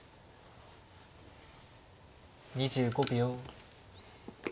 ２５秒。